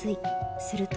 すると。